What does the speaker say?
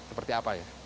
seperti apa ya